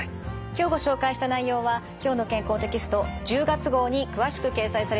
今日ご紹介した内容は「きょうの健康」テキスト１０月号に詳しく掲載されています。